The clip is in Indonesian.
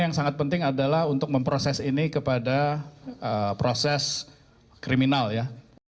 yang sangat penting adalah untuk memproses ini kepada proses kriminal ya